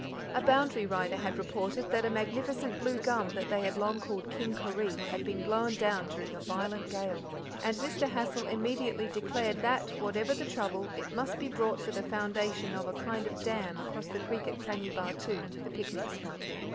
A boundary rider had reported that a magnificent blue gum that they had long called King Koree had been blown down during a violent gale, and Mr. Hassal immediately declared that, whatever the trouble, it must be brought for the foundation of a kind of dam across the creek at Krangi Bahtoo, the picnic spot.